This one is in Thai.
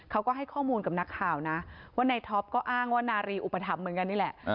เขาก็ให้ข้อมูลกับนักข่าวนะว่าในท็อปก็อ้างว่านารีอุปถัมภ์เหมือนกันนี่แหละ